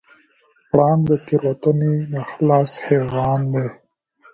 پړانګ د تېروتنې نه خلاص حیوان دی.